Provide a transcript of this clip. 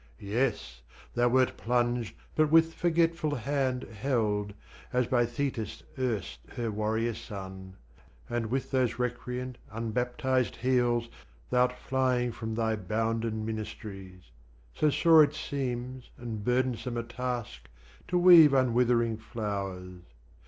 Yes thou wert plunged but with forgetful hand Held, as by Thetis erst her warrior son: And with those recreant unbaptized heels Thou'rt flying from thy bounden minist'ries So sore it seems and burthensome a task To weave unwithering flowers!